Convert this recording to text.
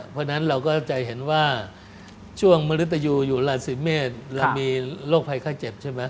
เพราะฉะนั้นเราก็จะเห็นว่าช่วงมริตยูอยู่ราศีเมษเรามีโรคภัยไข้เจ็บใช่ไหม